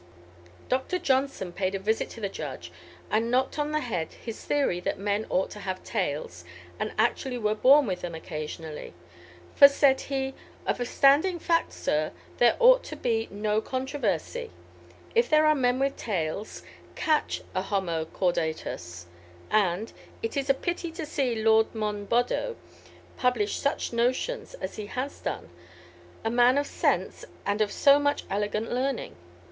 Dr. Johnson paid a visit to the judge, and knocked on the head his theory that men ought to have tails, and actually were born with them occasionally; for said he, "Of a standing fact, sir, there ought to be no controversy; if there are men with tails, catch a homo caudatus." And, "It is a pity to see Lord Monboddo publish such notions as he has done a man of sense, and of so much elegant learning.